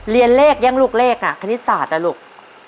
เรียนเลขยังลูกเลขคณิตศาสตร์นะลูก